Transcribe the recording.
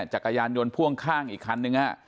จักรยานยนต์พ่วงข้างอีกคันนึง